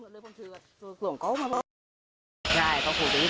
เราก็คำถามความหมายของเขาว่า